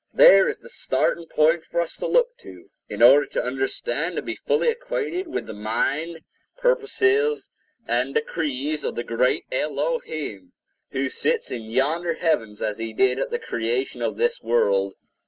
There is the starting point for us to look to, in order to understand and be fully acquainted with the mind, purposes and decrees of the Great Elohim, who sits in yonder heavens as he did at the creation of this world.